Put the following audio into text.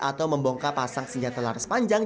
atau membongka pasang senjata laras panjang